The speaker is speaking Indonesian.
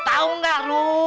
tau gak lu